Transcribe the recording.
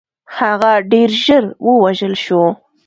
هغه ډېر ژر ووژل شو.